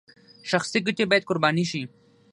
شخصي ګټې باید قرباني شي